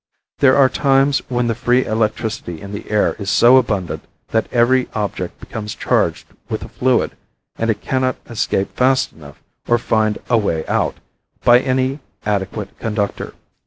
There are times when the free electricity in the air is so abundant that every object becomes charged with the fluid, and it cannot escape fast enough or find "a way out" by any adequate conductor.